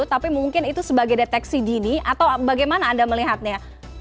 tapi mungkin itu sebagai deteksi dini atau bagaimana anda melihatnya